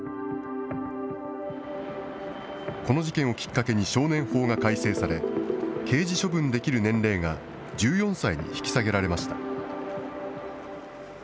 この事件をきっかけに少年法が改正され、刑事処分できる年齢が１４歳に引き下げられました。